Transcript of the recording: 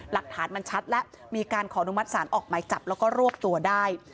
หลักฐานมันชัดแล้วมีการขออนุมัติศาลออกหมายจับแล้วก็รวบตัวได้